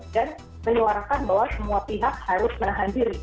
dan menyuarakan bahwa semua pihak harus menahan diri